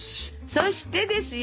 そしてですよ